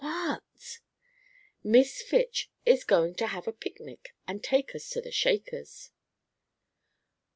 "What?" "Miss Fitch is going to have a picnic and take us to the Shakers."